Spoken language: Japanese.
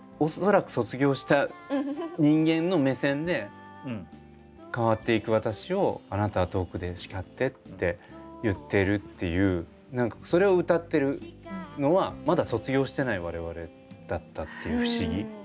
恐らく卒業した人間の目線で「変わってゆく私をあなたは遠くでしかって」って言ってるっていうそれを歌ってるのはまだ卒業してない我々だったっていう不思議。